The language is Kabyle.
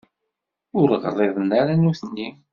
Ur ɣliḍen ara nutni.